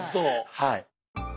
はい。